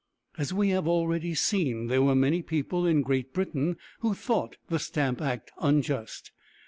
As we have already seen, there were many people in Great Britain who thought the Stamp Act unjust.